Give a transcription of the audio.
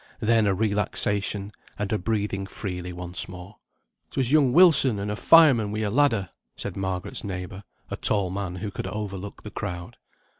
Then a relaxation, and a breathing freely once more. "'Twas young Wilson and a fireman wi' a ladder," said Margaret's neighbour, a tall man who could overlook the crowd.